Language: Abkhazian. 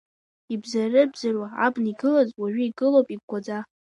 Ибзары-бзаруа абна игылаз, уажәы игылоуп игәгәаӡа.